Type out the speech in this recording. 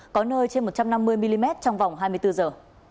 có nơi trên một trăm năm mươi mm trong vòng hai mươi bốn giờ